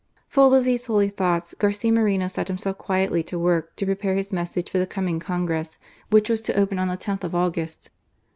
Full of these holy tVirt„rtV,tg^ Garcia Moreno set iself quietly to work to prepare his message for le coming Congress, which was to open on the of August.